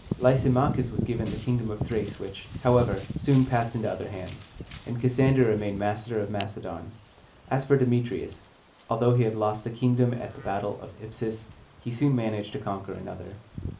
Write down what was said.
Lysimachus was given the kingdom of Thrace, which, however, soon passed into other hands; and Cassander remained master of Macedon. As for Demetrius, although he had lost a kingdom at the battle of Ipsus, he soon managed to conquer another.